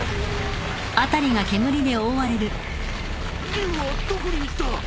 龍はどこに行った！？